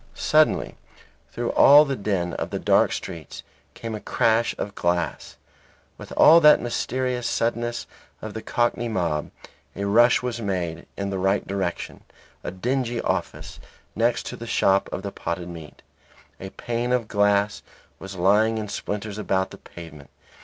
Suddenly through all the din of the dark streets came a crash of glass. With that mysterious suddenness of the Cockney mob, a rush was made in the right direction, a dingy office, next to the shop of the potted meat. The pane of glass was lying in splinters about the pavement.